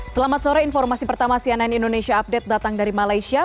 selamat sore informasi pertama cnn indonesia update datang dari malaysia